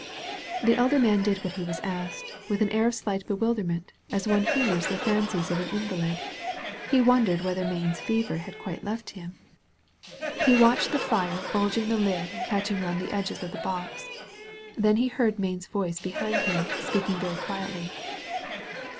The elder man did what was asked, with an air of slight bewilderment, as one humors the fancies of an invalid. He wondered whether Mayne's fever had quite left him. He watched the fire bulging 235 THE VALLEY OP VISION the lid and catching round the edges of the box. Then he heard Mayne's voice behind him, speaking very quietly.